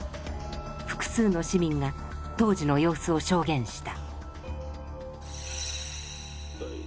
複数の市民が当時の様子を証言した。